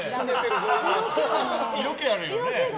色気あるよね。